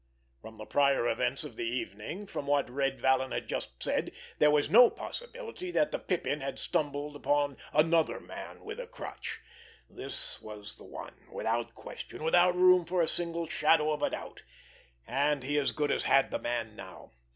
From the prior events of the evening, from what Red Vallon had just said, there was no possibility that the Pippin had stumbled upon another man with a crutch. This was the one, without question, without room for a single shadow of a doubt. And he as good as had the man now!